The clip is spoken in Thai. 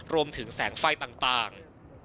รวมถึงแสงไฟต่าง